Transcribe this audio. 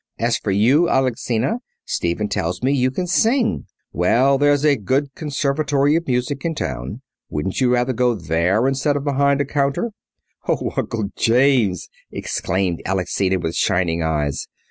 As for you, Alexina, Stephen tells me you can sing. Well, there's a good Conservatory of Music in town. Wouldn't you rather go there instead of behind a counter?" "Oh, Uncle James!" exclaimed Alexina with shining eyes.